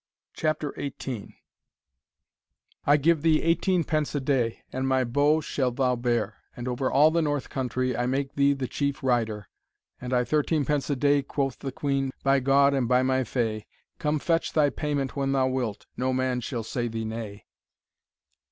Chapter the Eighteenth. I give thee eighteenpence a day, And my bow shall thou bear, And over all the north country, I make thee the chief rydere. And I thirteenpence a day, quoth the queen, By God and by my faye, Come fetch thy payment when thou wilt, No man shall say thee nay.